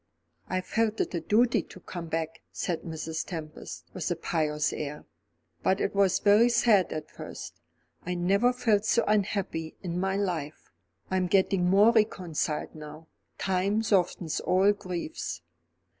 "I felt it a duty to come back," said Mrs. Tempest, with a pious air. "But it was very sad at first. I never felt so unhappy in my life. I am getting more reconciled now. Time softens all griefs."